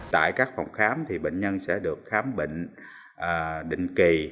tại các phòng khám thì bệnh nhân sẽ được khám bệnh định kỳ